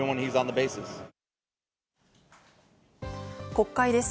国会です。